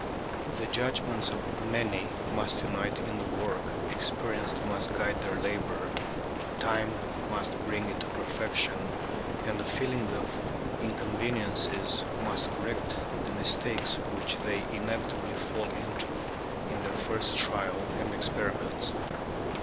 The judgments of many must unite in the work, experience must guide their labour, time must bring it to perfection, and the feeling of inconveniences must correct the mistakes which they inevitably fall into in their first trial and experiments."